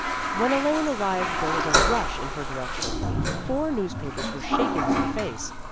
When Elaine arrived there was a rush in her direction. Four newspapers were shaken in her face.